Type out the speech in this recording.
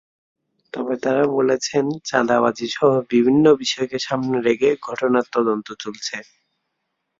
তবে তাঁরা বলেছেন, চাঁদাবাজিসহ বিভিন্ন বিষয়কে সামনে রেখে ঘটনার তদন্ত চলছে।